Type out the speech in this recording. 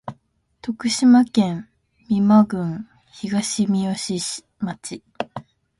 徳島県美馬郡東みよし町